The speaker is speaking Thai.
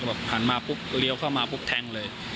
บอกหันมาปุ๊บเลี้ยวเข้ามาปุ๊บแทงเลย